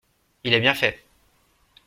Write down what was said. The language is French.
Il a bien fait !…